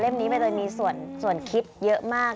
นี้ใบเตยมีส่วนคิดเยอะมาก